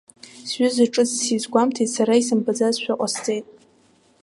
Сҩыза ҿыц сизгәамҭеит, сара исымбаӡазшәа ҟасҵеит.